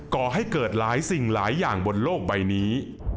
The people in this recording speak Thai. ก่อให้เกิดหลายสิ่งหลายอย่างบนโลกใบนี้